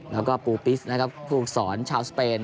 แล้วก็ปูปิ๊สพูดสอนชาวสเปน